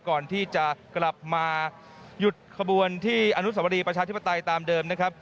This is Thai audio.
ก่อนที่จะกลับมาหยุดขบวนที่อนุสวรีประชาธิปไตยตามเดิมนะครับ